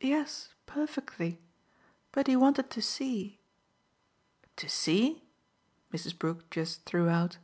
"Yes, perfectly. But he wanted to see." "To see ?" Mrs. Brook just threw out.